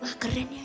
wah keren ya